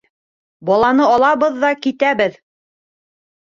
Баланы алабыҙ ҙа китәбеҙ!